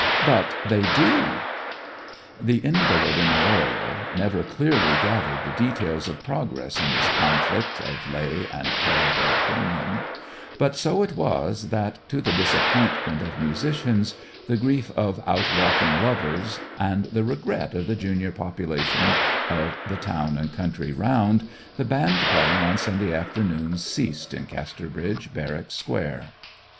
'But they do.' The invalid in the oriel never clearly gathered the details of progress in this conflict of lay and clerical opinion; but so it was that, to the disappointment of musicians, the grief of out walking lovers, and the regret of the junior population of the town and country round, the band playing on Sunday afternoons ceased in Casterbridge barrack square.